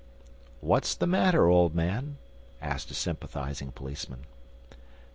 "What's the matter, old man?" asked a sympathizing policeman.